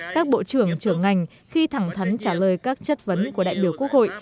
các bộ trưởng trưởng ngành khi thẳng thắn trả lời các chất vấn của đại biểu quốc hội